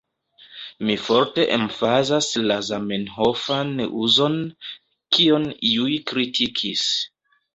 Mi forte emfazas la Zamenhofan uzon, kion iuj kritikis.